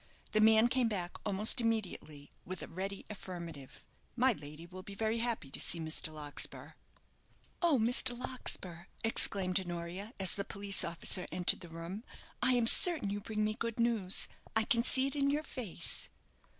The man came back almost immediately with a ready affirmative. "My lady will be very happy to see Mr. Larkspur." "Oh, Mr. Larkspur!" exclaimed Honoria, as the police officer entered the room, "I am certain you bring me good news; I can see it in your face."